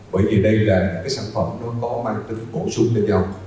bởi vì đây là sản phẩm có mang tính cổ súng cho nhau